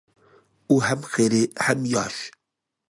ئۇ ھەم قېرى، ھەم ياش.